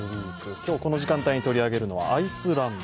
今日この時間帯に取り上げるのはアイスランド。